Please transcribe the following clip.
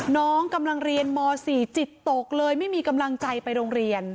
น้องกำลังเรียนม๔จิตตกเลยไม่มีกำลังใจไปโรงเรียน